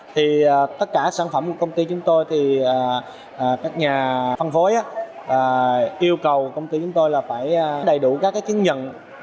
thì tất cả sản phẩm của công ty chúng tôi thì các nhà phân phối yêu cầu công ty chúng tôi là phải đầy đủ các chứng nhận